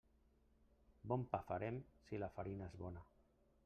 Bon pa farem si la farina és bona.